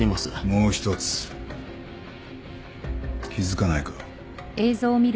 もう一つ気付かないか？